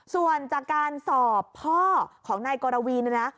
ส่วนจากการสอบพ่อของนายกราวีนะ